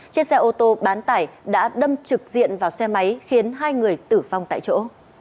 chiếc xe ô tô bán tải đã đâm trực diện vào xe máy khiến hai người tử vong tại chỗ